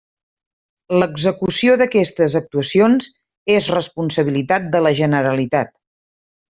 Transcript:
L'execució d'aquestes actuacions és responsabilitat de la Generalitat.